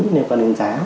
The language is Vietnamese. liên quan đến giá